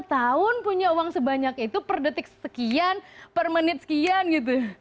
lima tahun punya uang sebanyak itu per detik sekian per menit sekian gitu